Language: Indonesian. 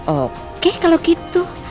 oke kalau gitu